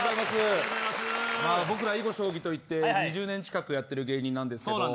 僕ら囲碁将棋といって２０年近くやってる芸人です。